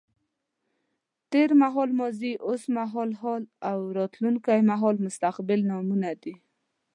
تېر مهال ماضي، اوس مهال حال او راتلونکی مهال مستقبل نومونه دي.